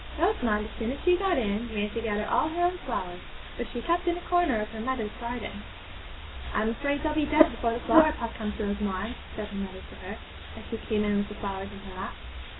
Rosamond as soon as she got in ran to gather all her own flowers, which she kept in a corner of her mother's garden. 'I am afraid they'll be dead before the flower pot comes, Rosamond,' said her mother to her, as she came in with the flowers in her lap.